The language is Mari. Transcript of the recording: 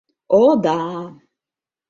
О, да.